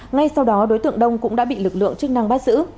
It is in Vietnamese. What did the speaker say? ngay sau đó đối tượng đông cũng đã bị lực lượng chức năng bắt giữ